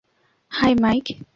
High, mic!